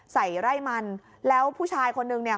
ใส่ไร่มันแล้วผู้ชายคนนึงเนี่ย